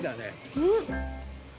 うん！